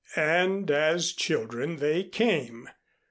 And as children they came.